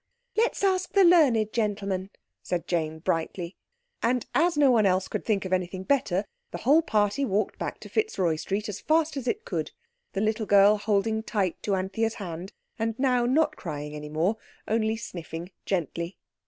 "Let's ask the learned gentleman," said Jane brightly. And as no one else could think of anything better the whole party walked back to Fitzroy Street as fast as it could, the little girl holding tight to Anthea's hand and now not crying any more, only sniffing gently.